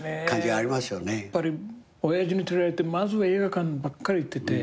やっぱり親父に連れられて映画館ばっかり行ってて。